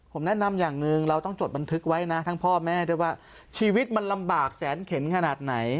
ผมแนะนำอย่างหนึ่งเราต้องจดบันทึกไว้นะทั้งพ่อแม่ด้วยว่าชีวิตมันลำบากแสนเข็นขนาดไหน